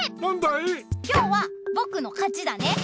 今日はぼくのかちだね。